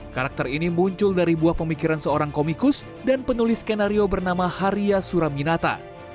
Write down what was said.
karakter ini muncul dari buah pemikiran seorang komikus dan penulis skenario bernama haria suraminata